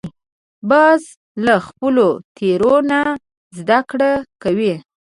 باز له خپلو تېرو نه زده کړه کوي